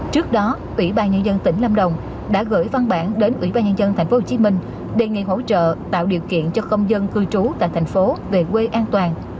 trước đó ủy ban nhân dân tỉnh lâm đồng đã gửi văn bản đến ủy ban nhân dân tp hcm đề nghị hỗ trợ tạo điều kiện cho công dân cư trú tại thành phố về quê an toàn